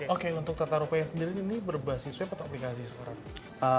oke untuk tata rupa yang sendiri ini berbasis web atau aplikasi surabaya